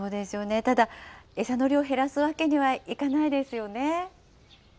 ただ、餌の量、減らすわけにはいかないですよね？